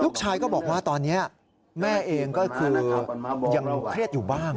ลูกชายก็บอกว่าตอนนี้แม่เองก็คือยังเครียดอยู่บ้าง